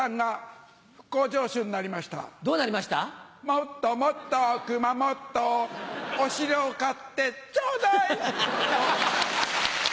もっともっとクマモットお城を買ってちょうだい！